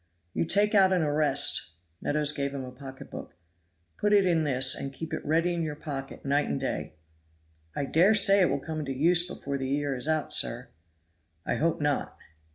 "You take out an arrest" Meadows gave him a pocketbook "put it in this, and keep it ready in your pocket night and day." "I dare say it will come into use before the year is out, sir." "I hope not."